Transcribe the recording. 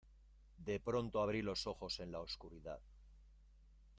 de pronto abrí los ojos en la oscuridad.